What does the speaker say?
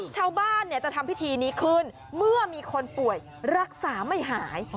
ชาวบ้านจะทำพิธีนี้ขึ้นเมื่อมีคนป่วยรักษาไม่หาย